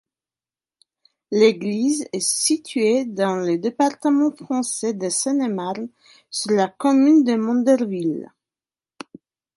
L'église est située dans le département français de Seine-et-Marne, sur la commune de Mondreville.